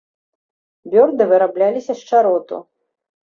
Бёрды вырабляліся з чароту.